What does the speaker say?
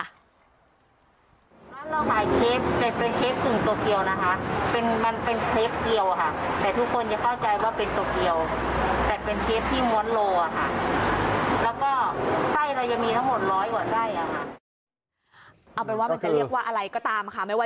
ร้านเราขายครีปเป็นครีปถึงโตเกียวนะคะมันเป็นครีปเกียวค่ะ